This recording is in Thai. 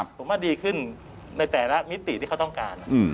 ผมว่าดีขึ้นในแต่ละมิติที่เขาต้องการ